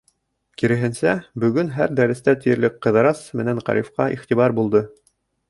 Киреһенсә, бөгөн һәр дәрестә тиерлек Ҡыҙырас менән Ғарифҡа иғтибар булды.